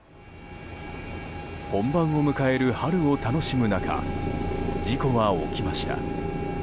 本番を迎える春を楽しむ中事故は起きました。